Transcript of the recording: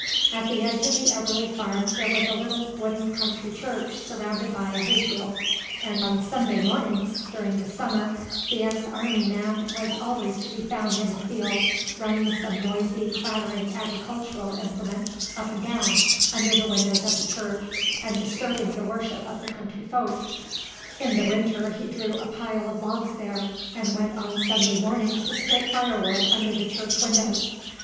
At the edge of the Eberly farm there was a little wooden country church surrounded by a hay field, and on Sunday mornings during the summer the ex army man was always to be found in the field, running some noisy, clattering agricultural implement up and down under the windows of the church and disturbing the worship of the country folk; in the winter he drew a pile of logs there and went on Sunday mornings to split firewood under the church windows.